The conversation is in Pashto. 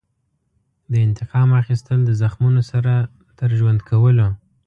د انتقام اخیستل د زخمونو سره تر ژوند کولو.